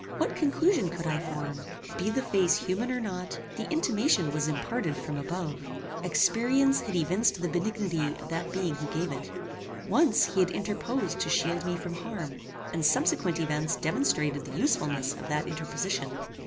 What conclusion could I form? Be the face human or not, the intimation was imparted from above. Experience had evinced the benignity of that being who gave it. Once he had interposed to shield me from harm, and subsequent events demonstrated the usefulness of that interposition.